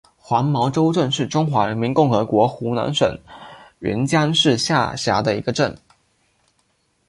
黄茅洲镇是中华人民共和国湖南省沅江市下辖的一个镇。